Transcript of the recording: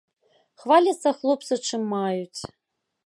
Хваляцца хлопцы чым маюць.